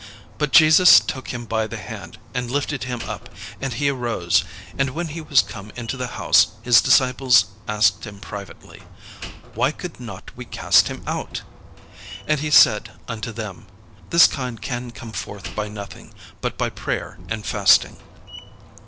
But Jesus took him by the hand, and lifted him up; and he arose. And when he was come into the house, his disciples asked him privately: "Why could not we cast him out?" And he said unto them, "This kind can come forth by nothing, but by prayer and fasting."